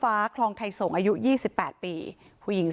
เพราะไม่เคยถามลูกสาวนะว่าไปทำธุรกิจแบบไหนอะไรยังไง